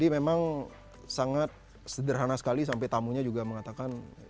memang sangat sederhana sekali sampai tamunya juga mengatakan